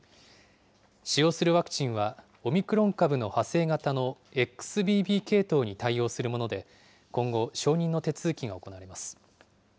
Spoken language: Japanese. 使用するワクチンは、オミクロン株の派生型のＸＢＢ系統に対応するもので、今後、承認の手続きが行われます。